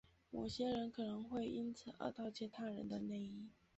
某些人可能会因此而窃盗他人的内衣。